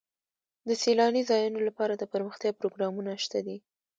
د سیلاني ځایونو لپاره دپرمختیا پروګرامونه شته دي.